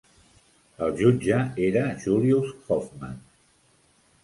El jutge era Julius Hoffman.